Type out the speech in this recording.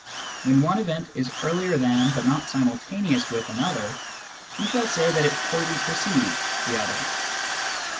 When one event is earlier than, but not simultaneous with another^ we shall say that it " wholly precedes " the other.